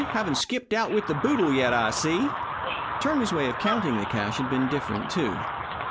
Haven't skipped out with the boodle yet, I see." Turner's way of counting the cash had been different, too.